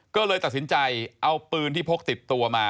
ก็เลยตัดสินใจเอาปืนที่พกติดตัวมา